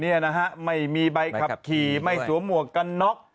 เนี่ยนะฮะไม่มีใบขับขี่ไม่สวมหมวกกันน็อก